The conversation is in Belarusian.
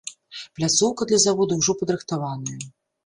Пляцоўка для завода ўжо падрыхтаваная.